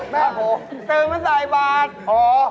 แม่โผลดตื่นมาใส่บัตร